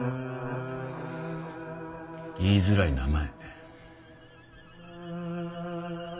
言いづらい名前。